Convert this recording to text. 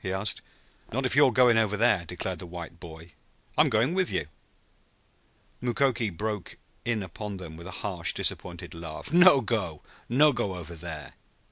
he asked. "Not if you're going over there!" declared the white boy. "I'm going with you." Mukoki broke in upon them with a harsh disappointed laugh. "No go. No go over there."